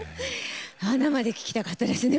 生で聴きたかったですね